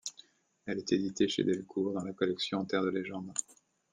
Elle est éditée chez Delcourt, dans la collection Terre de Légendes.